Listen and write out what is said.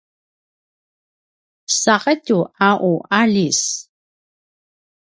saqetju a u aljis